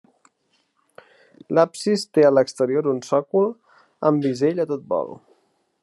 L'absis té a l'exterior un sòcol amb bisell a tot vol.